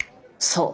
そう。